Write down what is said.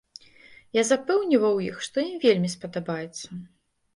Я запэўніваў іх, што ім вельмі спадабаецца.